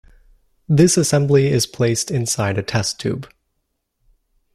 This assembly is placed inside a test tube.